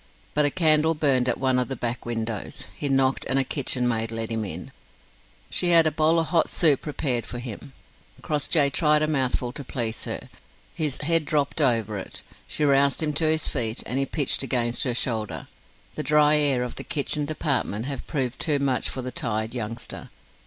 But a candle burned at one of the back windows. He knocked, and a kitchen maid let him in. She had a bowl of hot soup prepared for him. Crossjay tried a mouthful to please her. His head dropped over it. She roused him to his feet, and he pitched against her shoulder. The dry air of the kitchen department had proved too much for the tired youngster.